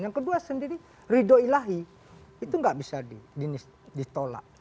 yang kedua sendiri ridho ilahi itu nggak bisa ditolak